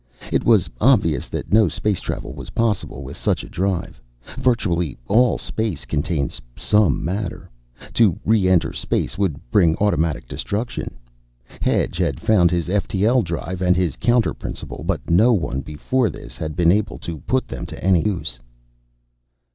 It was obvious that no space travel was possible with such a drive. Virtually all space contains some matter. To re enter space would bring automatic destruction. Hedge had found his ftl drive and his counterprinciple, but no one before this has been able to put them to any use."